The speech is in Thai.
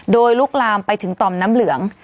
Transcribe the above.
โดยลุกลามไปถึงต่อมน้ำเหลือง